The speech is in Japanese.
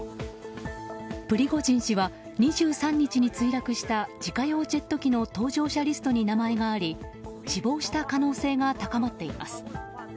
プリゴジン氏は２３日に墜落した自家用ジェット機の搭乗者リストに名前があり死亡した可能性が高まっています。